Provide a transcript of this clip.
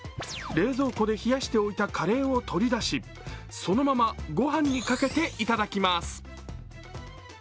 冷蔵庫で冷やしておいたカレーを取り出しそのまま御飯にかけていただきます。